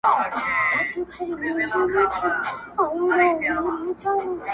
بيا هم وچكالۍ كي له اوبو سره راوتـي يـو.